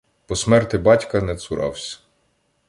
По смерти батька не цуравсь.